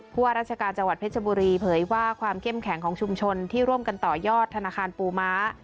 ว่าราชการจังหวัดเพชรบุรีเผยว่าความเข้มแข็งของชุมชนที่ร่วมกันต่อยอดธนาคารปูม้า